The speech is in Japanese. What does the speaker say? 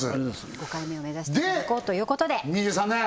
５回目を目指していこうということでで２３年！